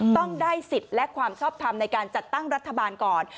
ต้องได้สิทธิ์และความชอบทำในการจัดตั้งรัฐบาลก่อน